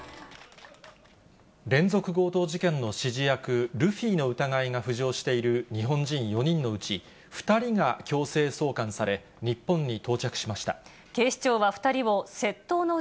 連続強盗事件の指示役、ルフィの疑いが浮上している日本人４人のうち、２人が強制送還され、日本に到着しました。